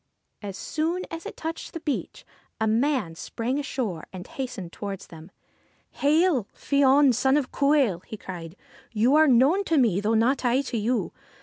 As soon as it touched the beach, a man sprang ashore, and hastened towards them. ' Hail ! Fion, son of Cumhail !' he cried. ' You are known to me, though not I to you.